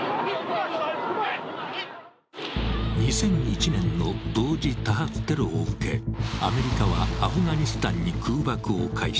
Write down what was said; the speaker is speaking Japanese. ２００１年の同時多発テロを受け、アメリカはアフガニスタンに空爆を開始。